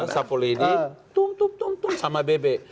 jadi tum tum tum tum sama bebek